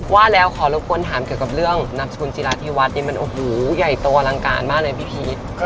ว่าแล้วขอรบกวนถามเกี่ยวกับเรื่องนามสกุลจิราที่วัดนี่มันโอ้โหใหญ่โตอลังการมากเลยพี่พีช